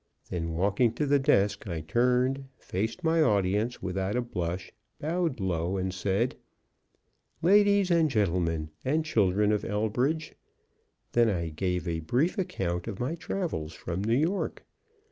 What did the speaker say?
Then walking to the desk, I turned, faced my audience without a blush, bowed low, and said: "Ladies and gentlemen, and children of Elbridge;" then gave a brief account of my travels from New York.